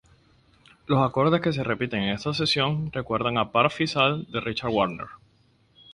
Los acordes que se repiten en esta sección recuerdan a "Parsifal" de Richard Wagner.